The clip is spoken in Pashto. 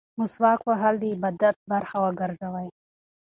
مسواک وهل د عبادت برخه وګرځوئ.